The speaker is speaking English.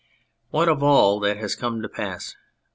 What of all that has come to pass